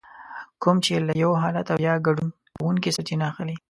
کوم چې له يو حالت او يا ګډون کوونکي سرچينه اخلي.